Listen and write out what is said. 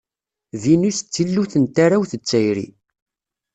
Vinus d tillut n tarrawt d tayri.